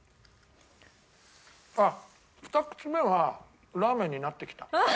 あっ２口目はラーメンになってきた。